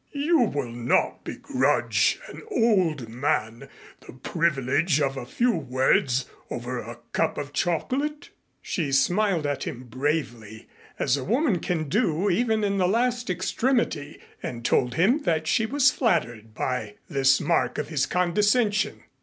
You will not begrudge an old man the privilege of a few words over a cup of chocolate?" She smiled at him bravely, as a woman can do, even in a last extremity, and told him that she was flattered by this mark of his condescension.